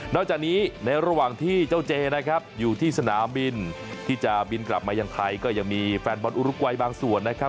จากนี้ในระหว่างที่เจ้าเจนะครับอยู่ที่สนามบินที่จะบินกลับมายังไทยก็ยังมีแฟนบอลอุรุกวัยบางส่วนนะครับ